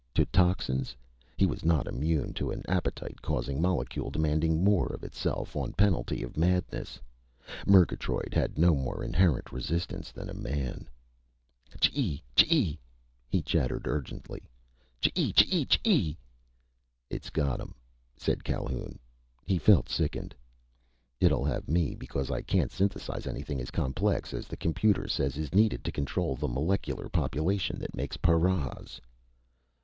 To toxins. He was not immune to an appetite causing molecule demanding more of itself on penalty of madness. Murgatroyd had no more inherent resistance than a man. "Chee chee!" he chattered urgently. "Chee chee chee!" "It's got him," said Calhoun. He felt sickened. "It'll have me. Because I can't synthesize anything as complex as the computer says is needed to control the molecular population that makes paras!"